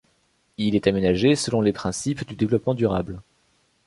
Il est aménagé selon les principes du développement durable.